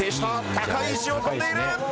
高い位置を飛んでいる。